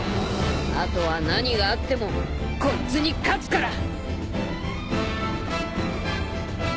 あとは何があってもこいつに勝つから！